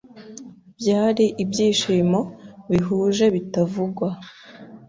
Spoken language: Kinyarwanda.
Byari ibyishimo bihuje bitavugwa.